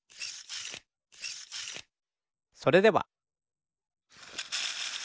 それでは。